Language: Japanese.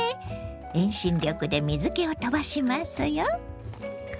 遠心力で水けを飛ばしますよ。